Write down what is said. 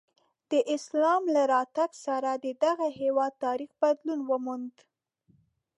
د اسلام له راتګ سره د دغه هېواد تاریخ بدلون وموند.